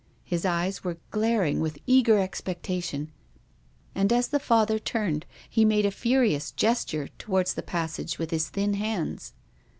His eyes were glaring with eager expecta tion, and, as the Father turned, he made a furious gesture towards the passage with his thin hands.